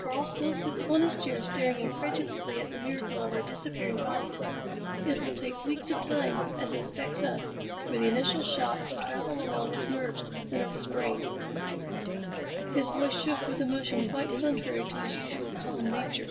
Karl still sits upon his chair staring incredulously at the miracle of our disappearing bodies. It will take weeks of time, as it affects us, for the initial shock to travel along his nerves to the center of his brain." His voice shook with emotion quite contrary to his usual calm nature.